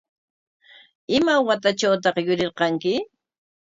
¿Ima watatrawtaq yurirqanki?